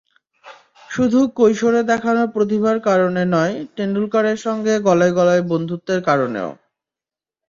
শুধু কৈশোরে দেখানো প্রতিভার কারণে নয়, টেন্ডুলকারের সঙ্গে গলায়-গলায় বন্ধুত্বের কারণেও।